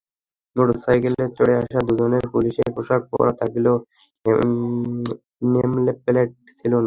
মোটরসাইকেলে চড়ে আসা দুজনের পুলিশের পোশাক পরা থাকলেও নেমপ্লেট ছিল না।